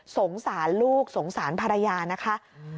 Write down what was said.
สงสารลูกสงสารภรรยานะคะ